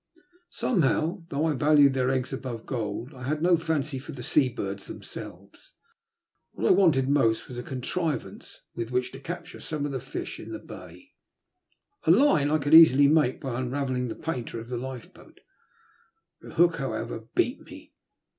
Somehow, though I valued their eggs above gold, I had no fancy for the sea birds themselves. What I wanted most was a contrivance with which to capture some of the fish in the bay. A line I could easily make by unravelling the painter of the lifeboat ; the hook, however, beat me.